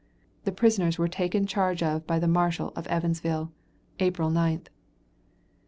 The prisoners were taken charge of by the Marshall of Evansville. April 9th.